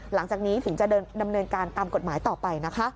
หลังจากนี้ถึงจะดำเนินการตามกฎหมายต่อไปนะคะ